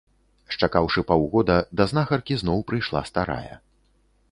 Счакаўшы паўгода, да знахаркі зноў прыйшла старая.